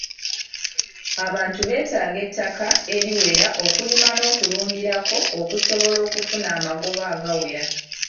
Abantu beetaaga ettaka eriwera okulima n'okulundirako okusobola okufuna amagoba agawera.